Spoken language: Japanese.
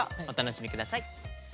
お楽しみ下さい。